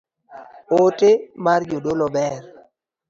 Ote mar jodolo ber